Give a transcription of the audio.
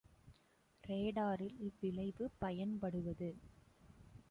ரேடாரில் இவ்விளைவு பயன்படுவது.